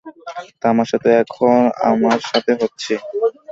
তামাশা তো এখন আমার সাথে হচ্ছে।